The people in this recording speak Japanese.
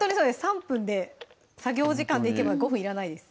３分で作業時間でいけば５分いらないです